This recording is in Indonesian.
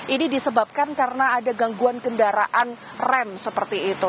ini disebabkan karena ada gangguan kendaraan rem seperti itu